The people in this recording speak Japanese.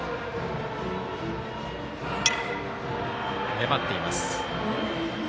粘っています。